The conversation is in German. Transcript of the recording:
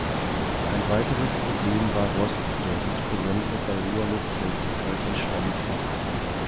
Ein weiteres Problem war Rost, der insbesondere bei hoher Luftfeuchtigkeit entstand.